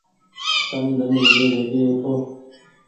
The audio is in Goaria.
تم ۮن اوگي ويگي اوٺو۔